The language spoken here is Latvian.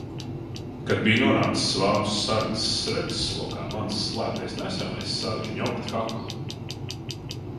Kad biju nonācis vācu sardzes redzes lokā mans slēptais nesamais sāka žņaugt kaklu.